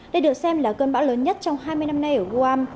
đây được xem là cơn bão lớn nhất trong hai mươi năm nay ở guam